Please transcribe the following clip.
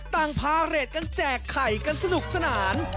พาเรทกันแจกไข่กันสนุกสนาน